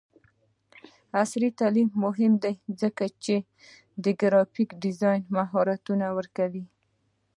عصري تعلیم مهم دی ځکه چې د ګرافیک ډیزاین مهارتونه ورکوي.